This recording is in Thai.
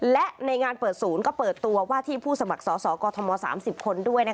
และในงานเปิดศูนย์ก็เปิดตัวว่าที่ผู้สมัครสอสอกอทม๓๐คนด้วย